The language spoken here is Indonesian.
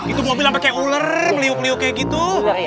itu mobil sampai kayak ular meliuk liuk kayak gitu